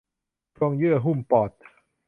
โพรงเยื่อหุ้มปอด